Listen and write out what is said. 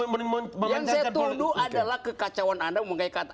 yang saya tuduh adalah kekacauan anda mengenai kata